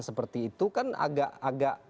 seperti itu kan agak